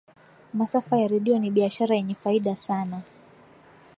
masafa ya redio ni biashara yenye faida sana